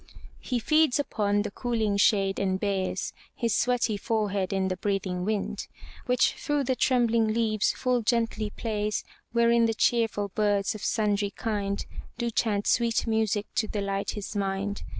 He feeds upon the cooling shade and hayes His sweaty forehead in the breathing wind, Which through the trembling leaves full gently plays, Wherein the cheerful birds of sundry kind, Do chant sweet music to delight his mind.